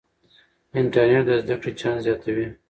انټرنیټ د زده کړې چانس زیاتوي.